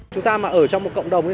chúng ta mà ở trong một cộng đồng